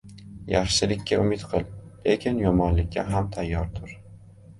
• Yaxshilikka umid qil, lekin yomonlikka ham tayyor tur.